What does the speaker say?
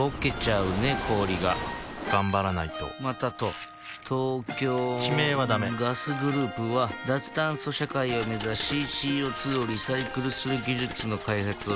氷が頑張らないとまたと東京地名はダメガスグループは脱炭素社会を目指しＣＯ２をリサイクルする技術の開発をしています